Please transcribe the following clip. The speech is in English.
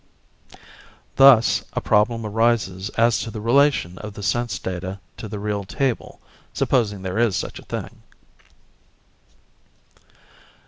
Thus a problem arises as to the relation of the sense data to the real table, supposing there is such a thing.